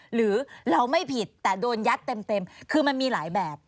หรือเราไม่ผิดแต่โดนยัดเต็มคือมันมีหลายแบบ